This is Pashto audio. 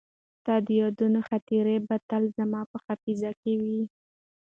ستا د یادونو خاطرې به تل زما په حافظه کې وي.